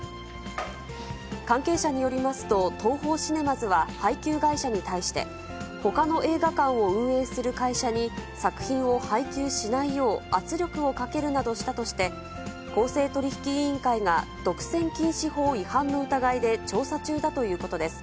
関係者によりますと、ＴＯＨＯシネマズは配給会社に対して、ほかの映画館を運営する会社に作品を配給しないよう圧力をかけるなどしたとして、公正取引委員会が独占禁止法違反の疑いで調査中だということです。